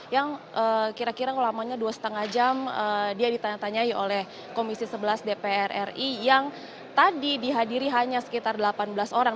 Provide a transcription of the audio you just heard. yang kira kira lamanya dua lima jam dia ditanya tanyai oleh komisi sebelas dpr ri yang tadi dihadiri hanya sekitar delapan belas orang